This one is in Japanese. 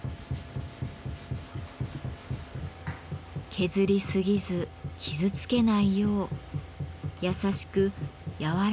削りすぎず傷つけないよう優しく柔らかく研いでいきます。